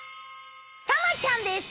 さなちゃんです！